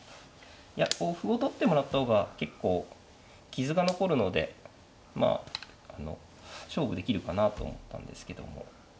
いやこう歩を取ってもらった方が結構傷が残るのでまああの勝負できるかなと思ったんですけども。